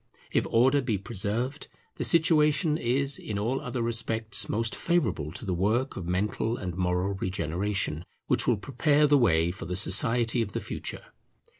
If order be preserved, the situation is in all other respects most favourable to the work of mental and moral regeneration which will prepare the way for the society of the future.